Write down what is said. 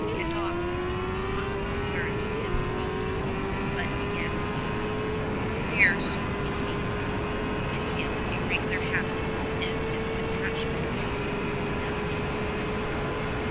Cadoc not only learnt his Psalter but began to use it. Prayer soon became to him a regular habit and his attachment to his holy master grew deep.